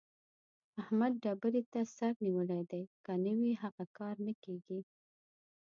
احمد ډبرې ته سر نيولی دی؛ که نه وي هغه کار نه کېږي.